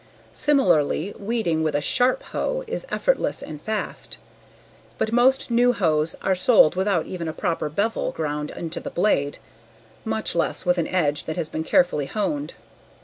Similarly, weeding with a sharp hoe is effortless and fast. But most new hoes are sold without even a proper bevel ground into the blade, much less with an edge that has been carefully honed.